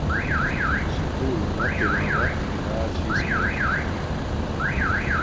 سکُول لنا تلاوت اراچھساکا